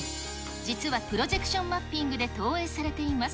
実はプロジェクションマッピングで投影されています。